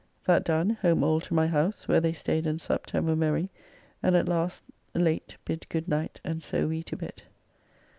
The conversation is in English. That done home all to my house, where they staid and supped and were merry, and at last late bid good night and so we to bed.